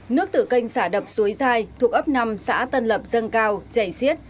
nước tử canh xả đập suối dài thuộc ấp năm xã tân lập dân cao chảy xiết